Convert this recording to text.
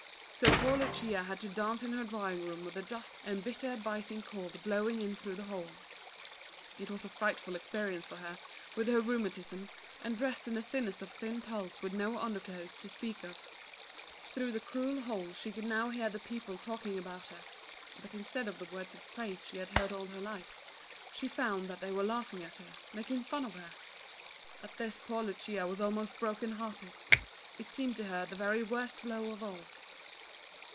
So poor Lucia had to dance in her drawing room with the dust and bitter, biting cold blowing in through the hole. It was a frightful experience for her, with her rheumatism, and dressed in the thinnest of thin tulles with no underclothes to speak of Through 86 Lucia, the Organ Maiden. the cruel hole she could now hear the people talk ing about her, but instead of the words of praise she had heard all her life, she found that they wxre laughing at her, making fun of her. At this poor Lucia was almost broken hearted. It seemed to her the very worst blow of all.